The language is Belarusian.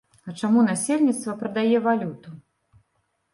А чаму насельніцтва прадае валюту?